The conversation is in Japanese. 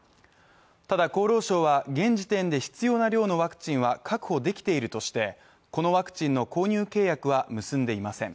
ただ、厚労省は現時点で必要な量のワクチンは確保できているとして、このワクチンの購入契約は結んでいません。